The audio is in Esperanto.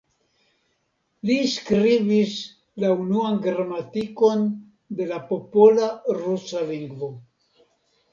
Li skribis la unuan gramatikon de la popola rusa lingvo.